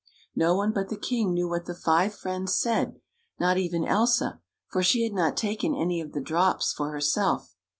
No one but the king knew what the five friends said — not even Elsa, for she had not taken any of the drops for herself.